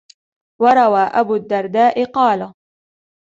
وَرَوَى أَبُو الدَّرْدَاءِ قَالَ